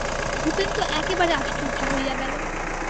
ভূপেন তো একেবারে আশ্চর্য হইয়া গেল।